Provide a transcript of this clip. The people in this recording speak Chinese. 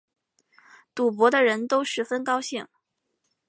赌博的人都十分高兴